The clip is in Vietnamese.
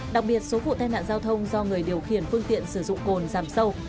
đặc biệt số vụ tai nạn giao thông do người điều khiển phương tiện sử dụng cồn giảm sâu